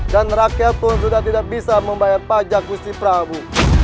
dan rakyat pun sudah tidak bisa membayar pajak gusti prabu